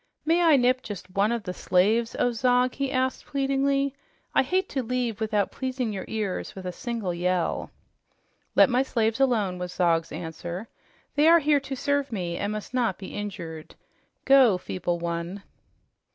"May I nip just one of the slaves, oh Zog?" it asked pleadingly. "I hate to leave without pleasing your ears with a single yell." "Let my slaves alone," was Zog's answer. "They are here to serve me and must not be injured. Go, feeble one."